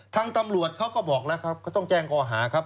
ทางตำรวจเขาก็บอกแล้วครับก็ต้องแจ้งข้อหาครับ